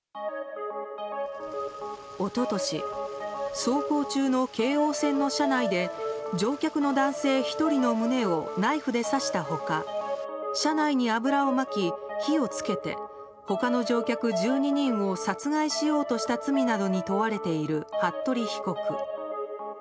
一昨年、走行中の京王線の車内で乗客の男性１人の胸をナイフで刺した他車内に油をまき火を付けて他の乗客１２人を殺害しようとした罪などに問われている服部被告。